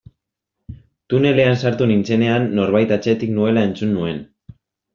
Tunelean sartu nintzenean norbait atzetik nuela entzun nuen.